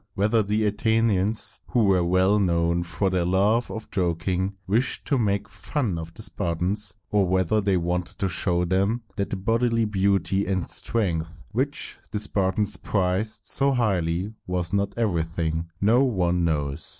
Whether the Athenians, who were well known for their love of joking, wished to make fun of the Spartans, or whether they wanted to show them that the bodily beauty and strength which the Spartans prized so highly was not everything, no one now knows.